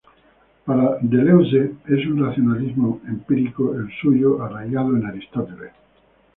Para Deleuze, es un racionalismo empírico el suyo, arraigado en Aristóteles.